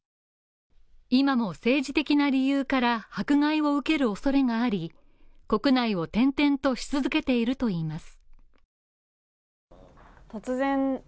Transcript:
今も政治的な理由から迫害を受ける恐れがあり、国内を転々とし続けているといいます。